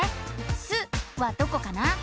「す」はどこかな？